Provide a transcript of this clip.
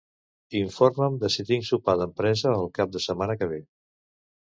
Informa'm de si tinc sopar d'empresa el cap de setmana que ve.